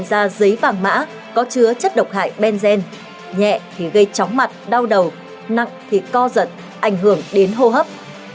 hiện ra giấy vàng mã có chứa chất độc hại benzene nhẹ thì gây chóng mặt đau đầu nặng thì co giật ảnh hưởng đến hô hấp